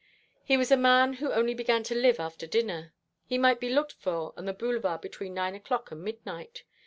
He was a man who only began to live after dinner. He might be looked for on the Boulevard between nine o'clock and midnight.